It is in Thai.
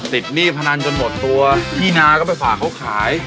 หนี้พนันจนหมดตัวพี่นาก็ไปฝากเขาขาย